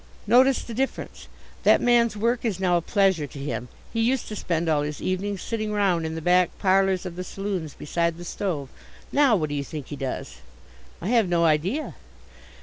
"Notice the difference. That man's work is now a pleasure to him. He used to spend all his evenings sitting round in the back parlours of the saloons beside the stove. Now what do you think he does?" "I have no idea."